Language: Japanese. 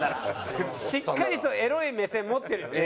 しっかりとエロい目線持ってるよね。